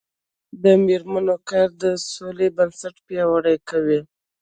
د میرمنو کار د سولې بنسټ پیاوړی کوي.